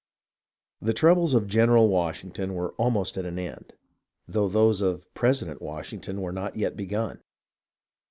The troubles of General Washington were almost at an end, though those of President Washington were not yet begun.